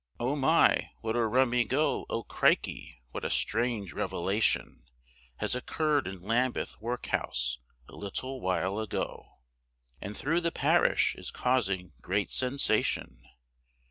Oh my, what a rummy go, oh crikey, what a strange revelation, Has occurred in Lambeth workhouse a little while ago, And through the parish is causing great sensation.